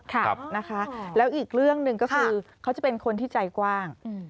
ค่ะนะคะแล้วอีกเรื่องหนึ่งก็คือเขาจะเป็นคนที่ใจกว้าง